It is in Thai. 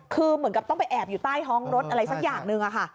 คือเหมือนกับต้องไปแอบอยู่ใต้ท้องรถอะไรสักอย่างหนึ่งค่ะ